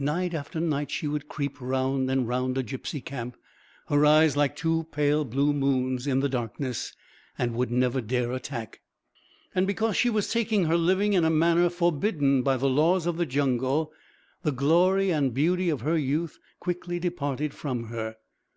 Night after night she would creep round and round a gipsy camp, her eyes like two pale blue moons in the darkness, and would never dare attack. And because she was taking her living in a manner forbidden by the laws of the jungle, the glory and beauty of her youth quickly departed from her.